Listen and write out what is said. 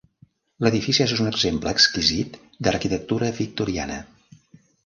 L'edifici és un exemple exquisit d'arquitectura victoriana.